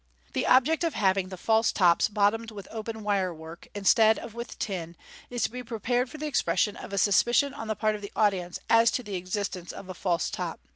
The object of having the false tops bottomed with open wirework, instead of with tin, is to be prepared for the expression of a suspicion on the part of the audience as to the existence of a false top.